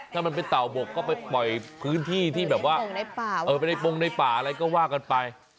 ถ้ามันเป็นเต่าบกก็ไปปล่อยพื้นที่ที่แบบว่าไปในปงในป่าอะไรก็ว่ากันไป